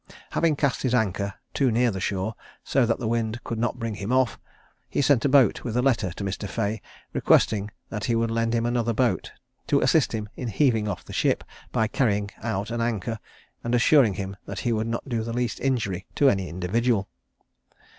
Having cast his anchor too near the shore, so that the wind could not bring him off, he sent a boat with a letter to Mr. Fea, requesting that he would lend him another boat, to assist him in heaving off the ship, by carrying out an anchor; and assuring him that he would not do the least injury to any individual.